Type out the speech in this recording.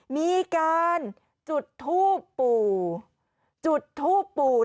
มีการจุดทูปจุดทูป